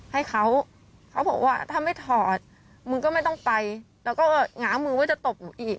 ให้เขาเขาบอกว่าถ้าไม่ถอดมึงก็ไม่ต้องไปแล้วก็ง้ามือว่าจะตบหนูอีก